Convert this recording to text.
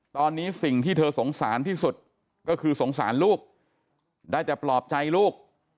ตอนนี้สิ่งที่เธอสงสารที่สุดก็คือสงสารลูกได้แต่ปลอบใจลูก